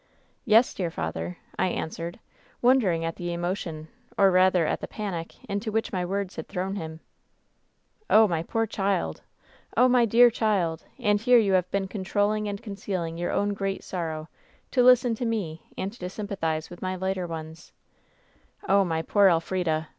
" 'Yes, dear father,' I answered, wondering at the emotion, or rather at the panic, into which my words had thrown him. " 'Oh, my poor child ! Oh, my dear child ! And here you have been controlling and concealing your own great sorrow to listen to me and to sympathize with my lighter ftoe WHEN SHADOWS DIE ones. Oh, my poor Elf rida